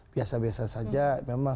biasa biasa saja memang